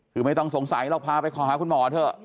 คือไม่ต้องสงสัยหรอกพาไปขอหาคุณหมอเถอะ